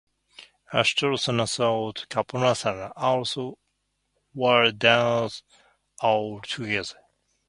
Ushtrasana through Kapotasana also were done all together.